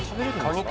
カニ